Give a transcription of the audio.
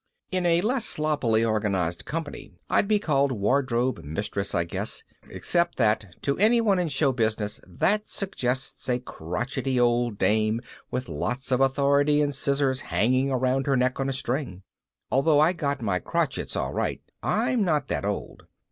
In a less sloppily organized company I'd be called wardrobe mistress, I guess. Except that to anyone in show business that suggests a crotchety old dame with lots of authority and scissors hanging around her neck on a string. Although I got my crochets, all right, I'm not that old.